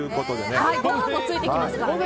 ご飯もついてきますからね。